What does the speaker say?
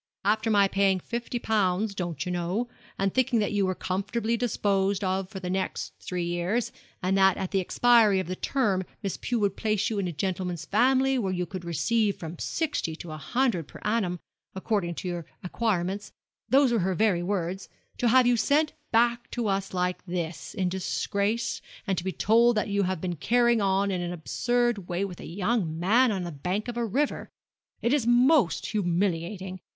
After my paying fifty pounds, don't you know, and thinking that you were comfortably disposed of for the next three years, and that at the expiry of the term Miss Pew would place you in a gentleman's family, where you would receive from sixty to a hundred per annum, according to your acquirements those were her very words to have you sent back to us like this, in disgrace, and to be told that you had been carrying on in an absurd way with a young man on the bank of a river. It is most humiliating.